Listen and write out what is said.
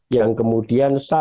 yang kemudian samadhi